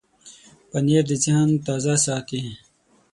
پنېر د ذهن تازه ساتي.